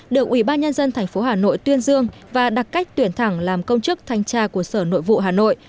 được ủy ban nhân dân tp hà nội tuyên dương và đặt cách tuyển thẳng làm công chức thanh tra của sở nội vụ hà nội